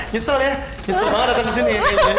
nyesel ya nyesel banget dateng kesini